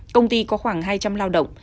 công ty có khoảng hai trăm linh lao động